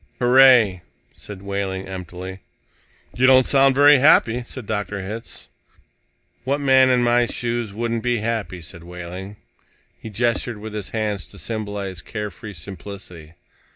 "Hooray," said Wehling emptily. "You don't sound very happy," said Dr. Hitz. "What man in my shoes wouldn't be happy?" said Wehling. He gestured with his hands to symbolize care free simplicity.